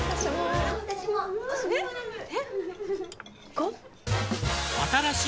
５？